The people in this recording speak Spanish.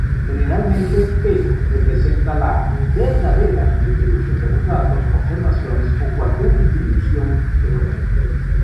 Generalmente "P" representa la "verdadera" distribución de los datos, observaciones, o cualquier distribución teórica.